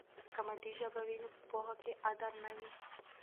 که مادي ژبه وي نو په پوهه کې غدر نه وي.